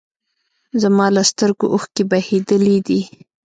زما له سترګو اوښکې بهېدلي دي